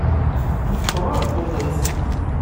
Meqqer aɛebbuḍ-is.